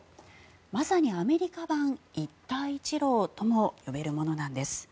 まさにアメリカ版一帯一路とも呼べるものなんです。